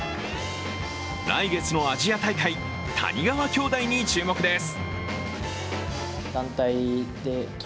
来月のアジア大会、谷川兄弟に注目です。